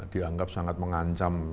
dianggap sangat mengancam